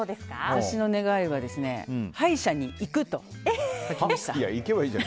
私の願いは歯医者に行くにしました。